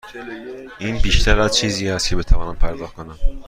این بیشتر از چیزی است که بتوانم پرداخت کنم.